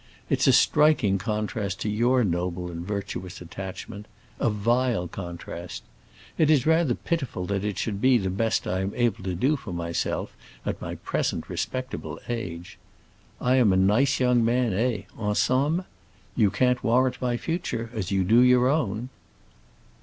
It's a striking contrast to your noble and virtuous attachment—a vile contrast! It is rather pitiful that it should be the best I am able to do for myself at my present respectable age. I am a nice young man, eh, en somme? You can't warrant my future, as you do your own."